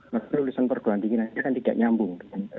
maka penulisan perguruan tinggi nanti akan tidak nyambung